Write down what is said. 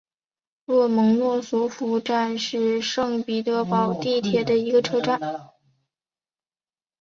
洛蒙诺索夫站是圣彼得堡地铁的一个车站。